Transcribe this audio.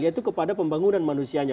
yaitu kepada pembangunan manusianya